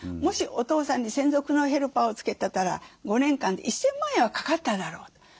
もしお父さんに専属のヘルパーをつけてたら５年間で１，０００万円はかかっただろうと。